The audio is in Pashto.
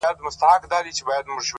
كه خپلوې مي نو در خپل مي كړه زړكيه زما،